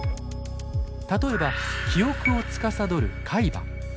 例えば記憶をつかさどる海馬。